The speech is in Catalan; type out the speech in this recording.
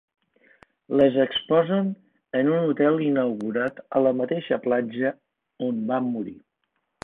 «Les exposen en un hotel inaugurat a la mateixa platja on va morir».